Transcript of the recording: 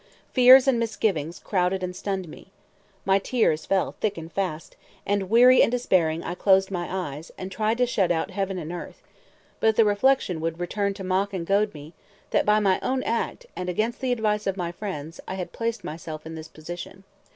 Fears and misgivings crowded and stunned me. My tears fell thick and fast, and, weary and despairing, I closed my eyes, and tried to shut out heaven and earth; but the reflection would return to mock and goad me, that by my own act, and against the advice of my friends, I had placed myself in this position.